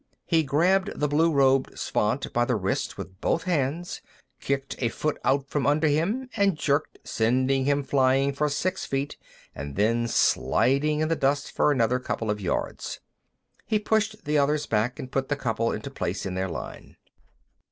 He grabbed the blue robed Svant by the wrist with both hands, kicked a foot out from under him, and jerked, sending him flying for six feet and then sliding in the dust for another couple of yards. He pushed the others back, and put the couple into place in the line.